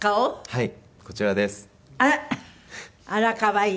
はい。